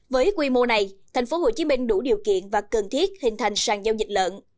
với quy mô này thành phố hồ chí minh đủ điều kiện và cần thiết hình thành sàn giao dịch lợn